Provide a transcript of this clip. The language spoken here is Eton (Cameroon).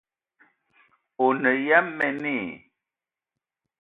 O ne ya mene i?